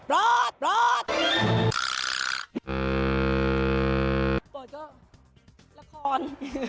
แล้วก็ละคร